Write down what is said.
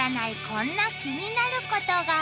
「こんな気になることが」